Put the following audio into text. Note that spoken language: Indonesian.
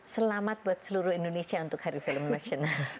selamat buat seluruh indonesia untuk hari film nasional